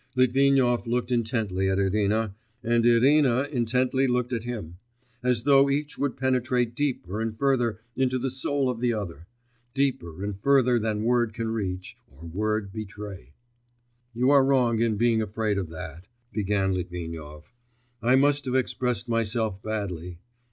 Litvinov looked intently at Irina, and Irina intently looked at him, as though each would penetrate deeper and further into the soul of the other, deeper and further than word can reach, or word betray. 'You are wrong in being afraid of that,' began Litvinov. 'I must have expressed myself badly.